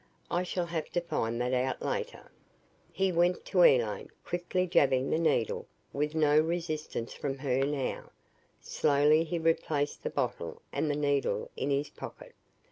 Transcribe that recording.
I shall have to find that out later. He went to Elaine, quickly jabbing the needle, with no resistance from her now. Slowly he replaced the bottle and the needle in his pocket.